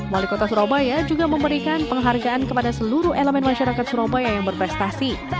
wali kota surabaya juga memberikan penghargaan kepada seluruh elemen masyarakat surabaya yang berprestasi